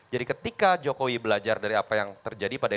jadi ketika jokowi belajar dari apa yang terjadi pada